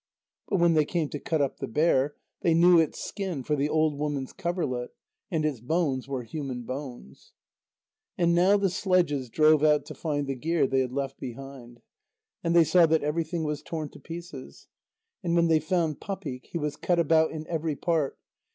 But when they came to cut up the bear, they knew its skin for the old woman's coverlet, and its bones were human bones. And now the sledges drove out to find the gear they had left behind, and they saw that everything was torn to pieces. And when they found Papik, he was cut about in every part.